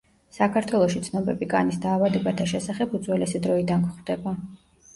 საქართველოში ცნობები კანის დაავადებათა შესახებ უძველესი დროიდან გვხვდება.